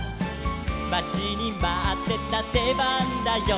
「まちにまってたでばんだよ」